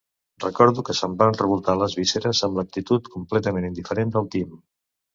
Recordo que se'm van revoltar les vísceres amb l'actitud completament indiferent del Tim.